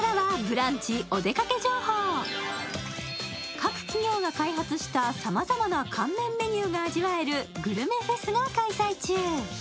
各企業が開発したさまざまな乾麺メニューが味わえるグルメフェスが開催中。